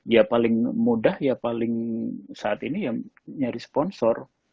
ya paling mudah ya paling saat ini ya nyari sponsor